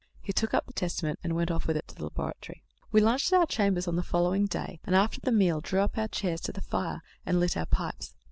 He took up the Testament, and went off with it to the laboratory. We lunched at our chambers on the following day, and, after the meal, drew up our chairs to the fire and lit our pipes.